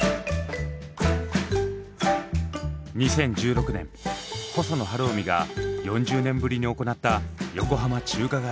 ２０１６年細野晴臣が４０年ぶりに行った横浜中華街ライブ。